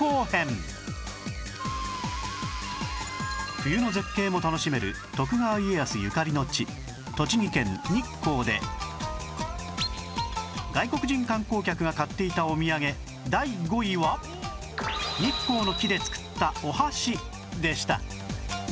冬の絶景も楽しめる徳川家康ゆかりの地栃木県日光で外国人観光客が買っていたおみやげ第５位は日光の木で作ったお箸でした